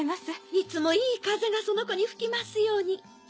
いつもいい風がその子に吹きますように。